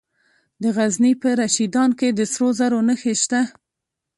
د غزني په رشیدان کې د سرو زرو نښې شته.